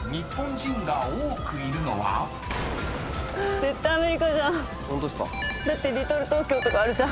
絶対アメリカじゃん。